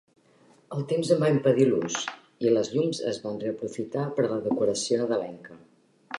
El temps en va impedir l'ús i les llums es van reaprofitar per a la decoració nadalenca.